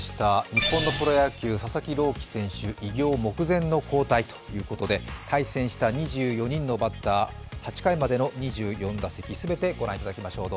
日本のプロ野球・佐々木朗希選手、偉業目前の交代ということで、対戦した２４人のバッター、８回までの２４打席全て御覧いただきましょう。